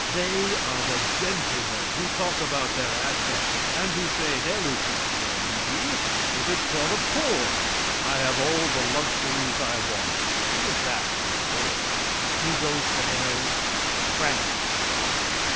They are the gentlemen who talk about their assets, and who say: "Hell is not for me; it is for the poor. I have all the luxuries I want, give that to the poor." Who goes to hell? Tramps!